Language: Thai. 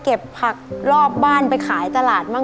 เก็บผักรอบบ้านไปขายตลาดบ้าง